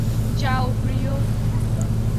যাও, প্রিয়!